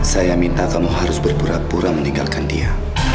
saya minta kamu harus berpura pura meninggalkan dia